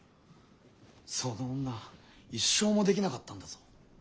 その女は１勝もできなかったんだぞ。